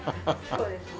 そうですね。